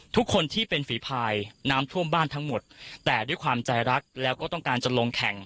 ทุกคนที่เป็นฝีพายน้ำท่วมบ้านทั้งหมดแต่ด้วยความใจรักแล้วก็ต้องการจะลงแข่ง